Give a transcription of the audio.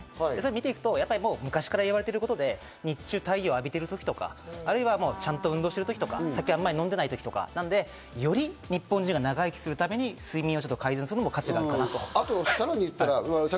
見ていくと昔から言われていることで、日中太陽を浴びているときとか、ちゃんと運動してるときとか、酒をあまり飲んでないときとか、なのでより日本人が長生きするために睡眠を改善することが必要かなと。